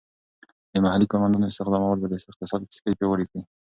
د محلی کارمندانو استخدامول به د اقتصاد کښتۍ پیاوړې کړي.